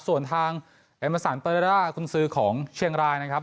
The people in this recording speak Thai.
ส่วนทางเอมสันเตอร์เรด้าคุณซื้อของเชียงรายนะครับ